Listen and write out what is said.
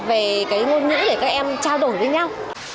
về cái ngôn ngữ để các em trao đổi với nhau